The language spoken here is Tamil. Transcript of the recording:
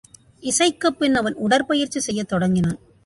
இசைக்குப் பின் அவன் உடற்பயிற்சி செய்யத் தொடங்கினான்.